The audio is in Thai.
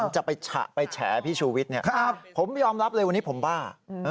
ที่ผมจะไปแฉะพี่ชุวิตเนี่ยครับผมยอมรับเลยวันนี้ผมบ้า